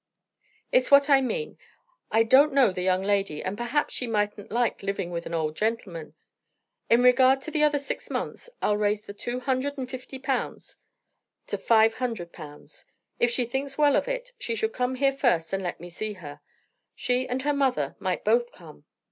"It's what I mean. I don't know the young lady, and perhaps she mightn't like living with an old gentleman. In regard to the other six months, I'll raise the two hundred and fifty pounds to five hundred pounds. If she thinks well of it, she should come here first and let me see her. She and her mother might both come."